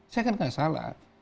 saya kan tidak salah